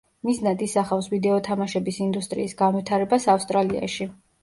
მიზნად ისახავს ვიდეო თამაშების ინდუსტრიის განვითარებას ავსტრალიაში.